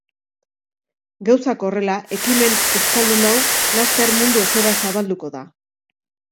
Gauzak horrela, ekimen euskaldun hau laster mundu osora zabalduko da.